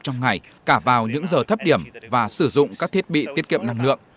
trong ngày cả vào những giờ thấp điểm và sử dụng các thiết bị tiết kiệm năng lượng